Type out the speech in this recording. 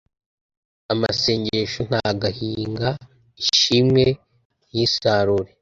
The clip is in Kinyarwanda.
Amasengesho ntagahinga ishimwe ntisarure